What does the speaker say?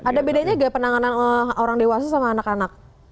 ada bedanya nggak penanganan orang dewasa sama anak anak